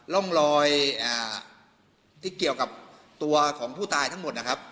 ร่องรอยที่เกี่ยวกับตัวของผู้ตายทั้งหมดนะครับ